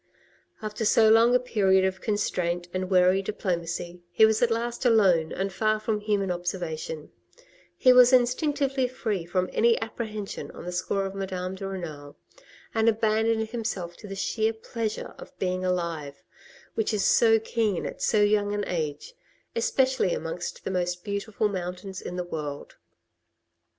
After so long a period of constraint and wary diplomacy, he was at last alone and far from human observation ; he was instinctively free from any apprehension on the score of Madame de Renal, and abandoned himself to the sheer pleasure of being alive, which is so keen at so young an age, especially among the most beautiful mountains in the world.